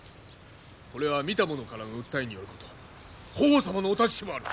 これは見た者からの訴えによること法皇様のお達しもある。